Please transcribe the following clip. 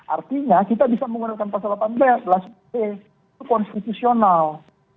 artinya kita bisa menggunakan pasal delapan belas d sebelas d itu konstitusional